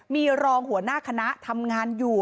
มีรองหัวหน้าคณะทำงานอยู่